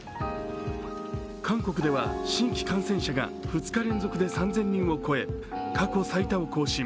韓国では新規感染者が２日連続で３０００人を超え過去最多を更新。